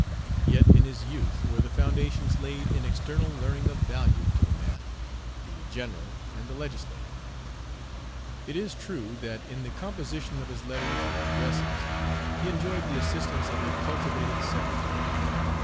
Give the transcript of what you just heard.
Yet in his youth were the foundations laid in external learning of value to the man, the general, and the legislator. It is true, that in the composition of his letters and addresses, he enjoyed the assistance of a cultivated secretary.